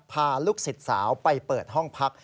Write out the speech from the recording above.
พาลูกศิษย์สาวไปเปิดห้องพัก